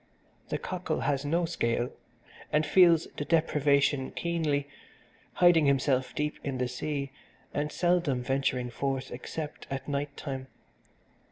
The cockle has no scale, and feels the deprivation keenly, hiding himself deep in the sea and seldom venturing forth except at night time.